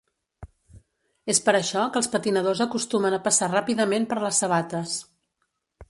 És per això que els patinadors acostumen a passar ràpidament per les sabates.